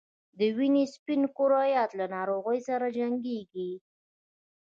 د وینې سپین کرویات له ناروغیو سره جنګیږي